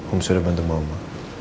om sudah bantu mama